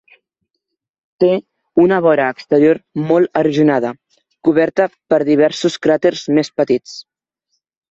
Té una vora exterior molt erosionada, coberta per diversos cràters més petits.